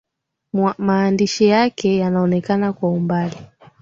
Maandishi yake yanaonekana kwa umbali.